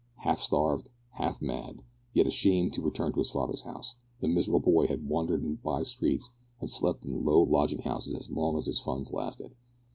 Half starved, half mad, yet ashamed to return to his father's house, the miserable boy had wandered in bye streets, and slept in low lodging houses as long as his funds lasted.